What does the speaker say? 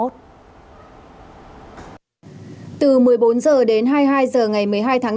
từ một mươi bốn h đến hai mươi hai h ngày một mươi hai tháng bốn